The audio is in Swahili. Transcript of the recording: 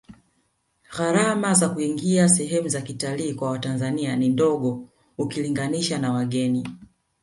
gharama za kuingia sehemu za kitalii kwa watanzania ni ndogo ukilinganisha na wageni